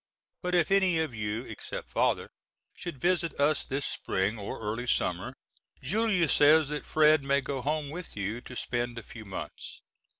But if any of you, except Father, should visit us this spring, or early summer, Julia says that Fred. may go home with you to spend a few months.